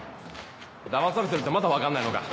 騙されてるってまだわかんないのか？